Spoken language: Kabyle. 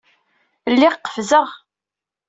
Lliɣ qefzeɣ.